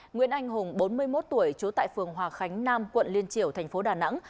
nguyễn anh hùng bốn mươi một tuổi trú tại phường hòa khánh nam quận liên triểu thành phố đà nẵng